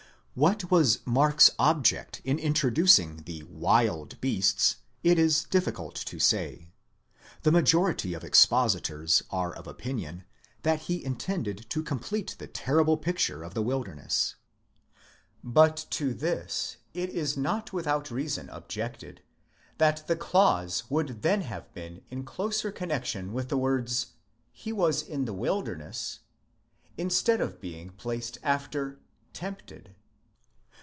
δ What was Mark's object in introducing the wild beasts, it is difficult to say. The majority of expositors are of opinion that he intended to complete the terrible picture of the wilderness; but to this it is not without reason ob jected, that the clause would then have been in closer connexion with the words ἦν ἐν τῇ ἐρήμῳ, he was in the wilderness, instead of being placed after πειραζόμενος, tempied.!